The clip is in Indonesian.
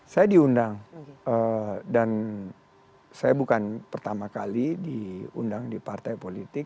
saya diundang dan saya bukan pertama kali diundang di partai politik